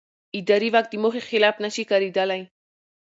اداري واک د موخې خلاف نه شي کارېدلی.